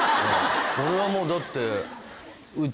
俺はもうだって。